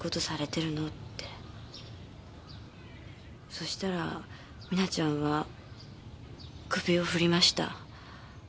そしたら実那ちゃんは首を振りました。